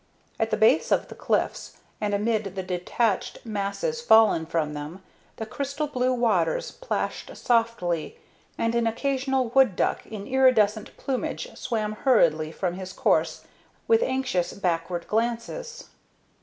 At the base of the cliffs, and amid the detached masses fallen from them, the crystal blue waters plashed softly, and an occasional wood duck in iridescent plumage swam hurriedly from his course with anxious backward glances.